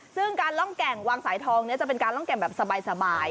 ซึ่งการล่องแก่งวางสายทองนี้จะเป็นการร่องแก่งแบบสบาย